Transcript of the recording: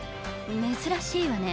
珍しいわね